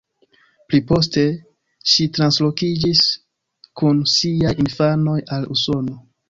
Pli poste, ŝi translokiĝis kun siaj infanoj al Usono.